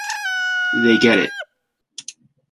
They get it.